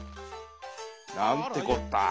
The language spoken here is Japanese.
「なんてこったぁ。